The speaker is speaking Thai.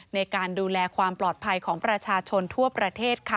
ในการดูแลความปลอดภัยของประชาชนทั่วประเทศค่ะ